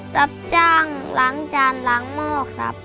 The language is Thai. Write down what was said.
รับจ้างล้างจานล้างหม้อครับ